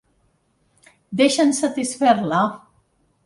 Deixa'ns satisfer-la.